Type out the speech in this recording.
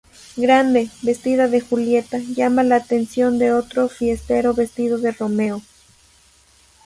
Grande, vestida de Julieta, llama la atención de otro fiestero vestido de Romeo.